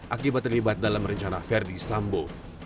akibat terlibat dalam rencana verdi sambo